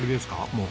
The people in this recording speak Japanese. もう。